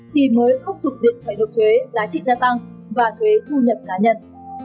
thì mới không tục diện phải được thuế giá trị gia tăng và thuế thu nhập cá nhân